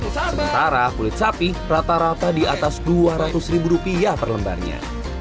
sementara kulit sapi rata rata di atas dua ratus ribu rupiah per lembarnya